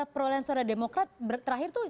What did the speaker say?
perolehan suara demokrat terakhir tuh